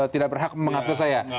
tidak berhak mengatur saya